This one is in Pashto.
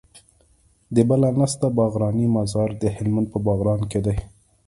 د بله نسته باغرانی مزار د هلمند په باغران کي دی